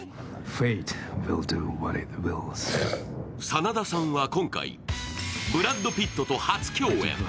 真田さんは今回、ブラッド・ピットと初共演。